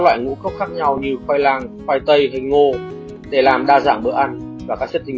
loại ngũ cốc khác nhau như khoai lang khoai tây hay ngô để làm đa dạng bữa ăn và các chất